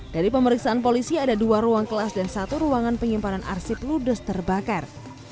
dari pemeriksaan polisi ada dua ruang kelas dan satu ruangan penyimpanan arsip ludes terbakar